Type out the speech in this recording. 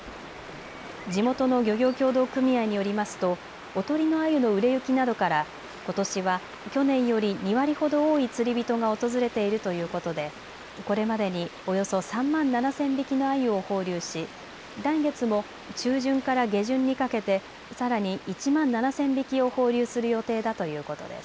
地元の漁業協同組合によりますとおとりのアユの売れ行きなどからことしは去年より２割ほど多い釣り人が訪れているということでこれまでにおよそ３万７０００匹のアユを放流し来月も中旬から下旬にかけてさらに１万７０００匹を放流する予定だということです。